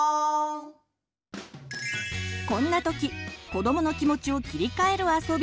こんな時子どもの気持ちを切り替えるあそび